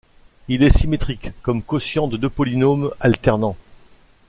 Il est symétrique, comme quotient de deux polynômes alternants.